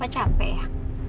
papa capek ya